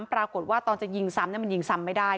ตอนจะยิงซ้ำมันยิงซ้ำไม่ได้